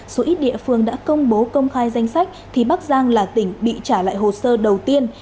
số ít địa phương đã công bố công khai danh sách thì bắc giang là tỉnh bị trả lại hồ sơ đầu tiên